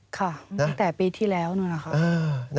ค่ะตั้งแต่ปีที่แล้วนู่นนะคะ